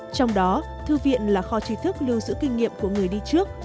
trong đó thư viện là kho trí thức lưu giữ kinh nghiệm của người đi trước